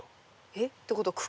えっ？ってことは茎？